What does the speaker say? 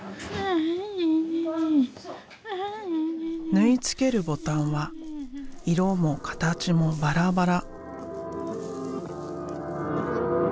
縫い付けるボタンは色も形もバラバラ。